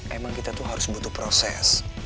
emang kita tuh harus butuh proses